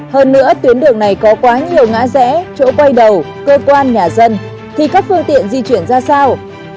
hơn nữa tuyến đường này có quá nhiều ngã rẽ chỗ quay đầu cơ quan nhà dân thì các phương tiện di chuyển ra sao